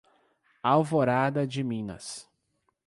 Alvorada de Minas